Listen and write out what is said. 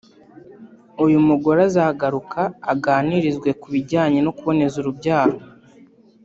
uyu mugore azagaruka aganirizwe ku bijyanye no kuboneza urubyaro